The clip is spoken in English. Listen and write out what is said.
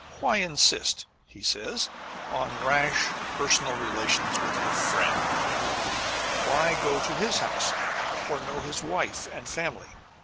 "Why insist," he says, "on rash personal relations with your friend? Why go to his house, or know his wife and family?"